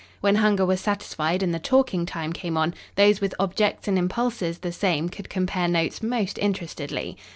When hunger was satisfied and the talking time came on, those with objects and impulses the same could compare notes most interestedly.